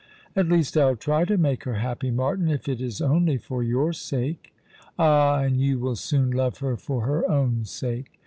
" At least 111 try to make her happy, Martin, if it is only for your sake." *' Ah, and you will soon love her for her own sake."